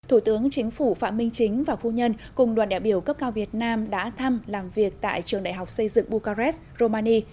thủ tướng chính phủ phạm minh chính và phu nhân cùng đoàn đại biểu cấp cao việt nam đã thăm làm việc tại trường đại học xây dựng bukarez romani